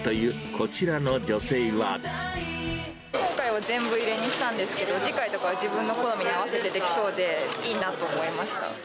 今回は全部入れにしたんですけど、次回とかは自分の好みに合わせてできそうで、いいなと思いました。